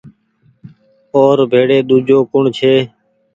او ر بيڙي ۮوجو ڪوٚڻ ڇي